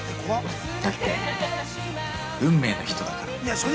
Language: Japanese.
だって運命の人だから。